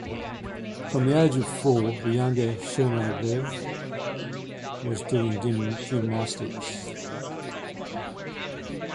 From the age of four the younger Chernyshev was doing gymnastics.